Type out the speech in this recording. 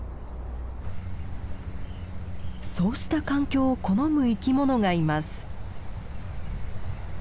そうした環境を好む生き物がいます。